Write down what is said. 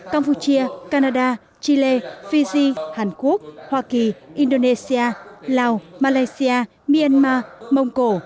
campuchia canada chile fiji hàn quốc hoa kỳ indonesia lào malaysia myanmar mông cổ